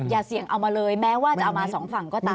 อย่าเสี่ยงเอามาเลยแม้ว่าจะเอามาสองฝั่งก็ตาม